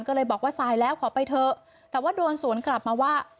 ก็เลยบอกว่าสายแล้วขอไปเถอะแต่ว่าโดนสวนกลับมาว่า